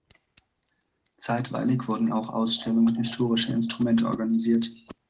Zeitweilig wurden auch Ausstellungen historischer Instrumente organisiert.